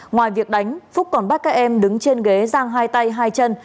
ngoài việc đánh phúc còn bắt các em đứng trên ghế giang hai tay hai chân